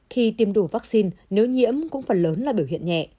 khi tiêm đủ vaccine nếu nhiễm cũng phần lớn là biểu hiện nhẹ